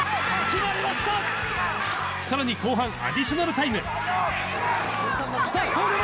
さらに後半アディショナルタさあ、ゴール前。